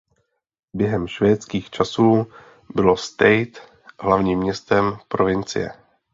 Během švédských časů bylo Stade hlavním městem provincie.